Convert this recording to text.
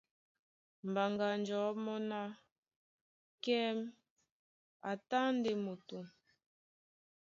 Mbaŋganjɔ̌ mɔ́ ná: Kɛ́m a tá ndé moto.